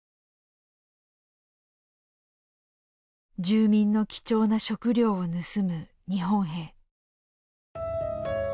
住民の貴重な食料を盗む日本兵。